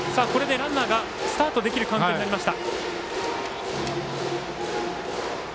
ランナーがスタートできるカウントになりました。